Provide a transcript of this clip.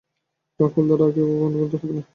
Darkhold দ্বারা আর কেউ কখনো প্রলুব্ধ হবে না।